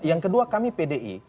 yang kedua kami pdi